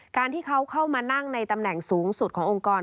การที่เขาเข้ามานั่งในตำแหน่งสูงสุดขององค์กร